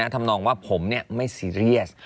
ทำนองว่าผมไม่ซีเรียส